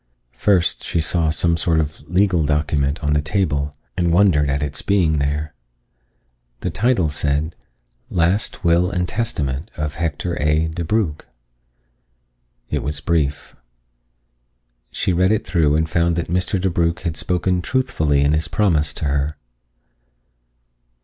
First she saw some sort of legal document on the table and wondered at its being there. The title said: _Last Will and Testament of Hector A. DeBrugh+. It was brief. She read it through and found that Mr. DeBrugh had spoken truthfully in his promise to her.